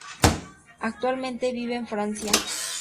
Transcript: Actualmente vive en Francia.